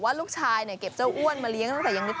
ไปดูกันสิว่าสัตว์สองตัวเนี่ยเขาน่ารักขนาดไหน